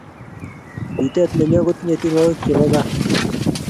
biteet nenyo kotinyei tienwokik chebo gaa